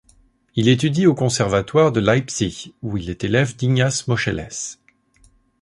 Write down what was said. Il étudie au conservatoire de Leipzig où il est élève d'Ignaz Moscheles.